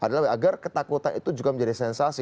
adalah agar ketakutan itu juga menjadi sensasi